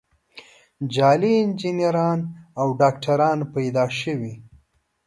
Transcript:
جعلي انجینران او ډاکتران پیدا شوي.